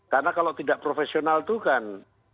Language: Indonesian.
karena kalau tidak profesional itu kan